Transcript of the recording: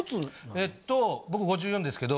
えっと僕５４ですけど。